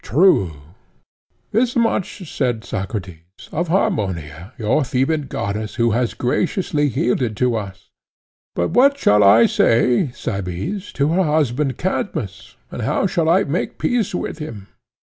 True, he said. Thus much, said Socrates, of Harmonia, your Theban goddess, who has graciously yielded to us; but what shall I say, Cebes, to her husband Cadmus, and how shall I make peace with him?